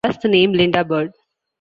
Thus, the name Lynda Bird.